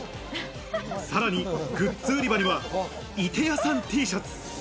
さらにグッズ売り場には射手矢さんＴシャツ。